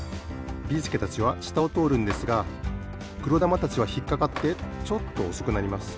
ビーすけたちはしたをとおるんですがくろだまたちはひっかかってちょっとおそくなります。